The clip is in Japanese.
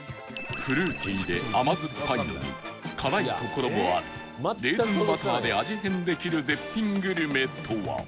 フルーティーで甘酸っぱいのに辛い所もあるレーズンバターで味変できる絶品グルメとは？